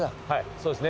そうですね。